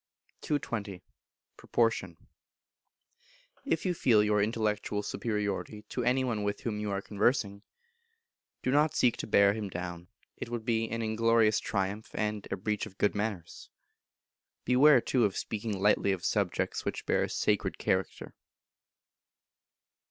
220. Proportion. If you feel your Intellectual Superiority to any one with whom you are conversing, do not seek to bear him down: it would be an inglorious triumph, and a breach of good manners. Beware, too, of speaking lightly of subjects which bear a sacred character.